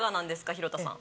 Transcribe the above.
廣田さん。